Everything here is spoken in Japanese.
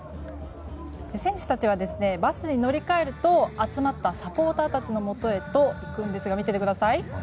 選手たちは、バスに乗り換えると集まったサポーターたちのもとへと行くんですが見ててください。